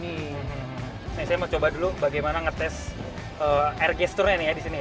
ini saya mau coba dulu bagaimana ngetes air gesturnya nih ya di sini ya